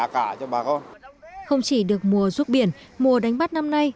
không chỉ được mùa ruốc biển mùa đánh bắt năm nay